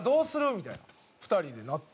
みたいな２人でなってて。